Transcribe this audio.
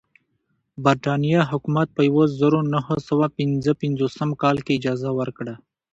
برېټانیا حکومت په یوه زرو نهه سوه پنځه پنځوسم کال کې اجازه ورکړه.